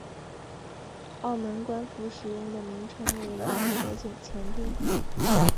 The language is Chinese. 澳门官方使用的名称为亚婆井前地。